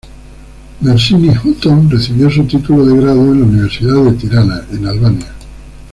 Mersini-Houghton recibió su título de grado en la Universidad de Tirana, en Albania.